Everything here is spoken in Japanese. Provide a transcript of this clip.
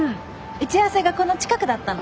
打ち合わせがこの近くだったの。